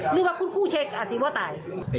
หรือว่าคุณผู้เช็คอาสิบอนตาย